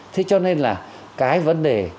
thế cho nên là cái vấn đề